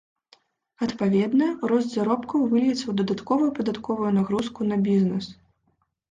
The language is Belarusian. Адпаведна, рост заробкаў выльецца ў дадатковую падатковую нагрузку на бізнес.